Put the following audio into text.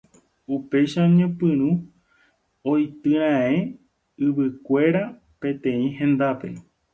Péicha oñepyrũ oityraẽ yvyrakuéra peteĩ hendápe.